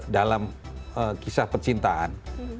dalam kisah percintaan